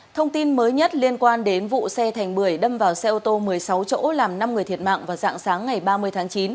thông tin mới nhất liên quan đến vụ xe thành bưởi đâm vào xe ô tô một mươi sáu chỗ làm năm người thiệt mạng vào dạng sáng ngày ba mươi tháng chín